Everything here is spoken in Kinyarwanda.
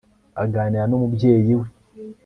aganira n'umubyeyi we